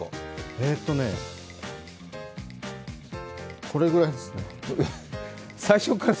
えっとねこれぐらいですね。